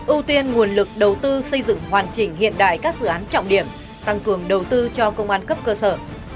ưu tiên nguồn lực đầu tư xây dựng hoàn chỉnh hiện đại các dự án trọng điểm tăng cường đầu tư cho công an cấp cơ sở